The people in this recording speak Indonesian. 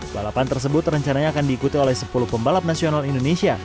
balapan tersebut rencananya akan diikuti oleh sepuluh pembalap nasional indonesia